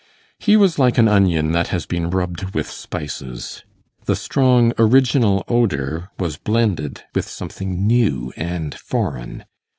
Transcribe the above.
He was like an onion that has been rubbed with spices; the strong original odour was blended with something new and foreign.